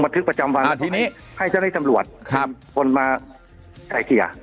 บันทึกประจำวันอ่าทีนี้ให้เจ้าให้ตำรวจครับคนมาใส่เกลี่ย